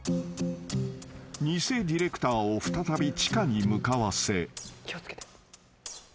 ［偽ディレクターを再び地下に向かわせ］